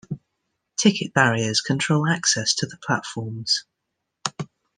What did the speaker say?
Ticket barriers control access to the platforms.